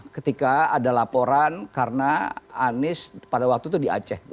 ketika ada laporan karena anies pada waktu itu di aceh